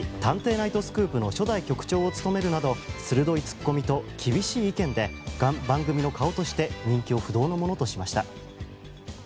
ナイトスクープ」の初代局長を務めるなど鋭いツッコミと厳しい意見で番組の顔として人気を不動のものとしました。